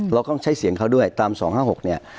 เราต้องใช้เสียงเขาด้วยตาม๒๕๖เนี่ย